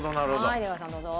はい出川さんどうぞ。